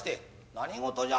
何事じゃ？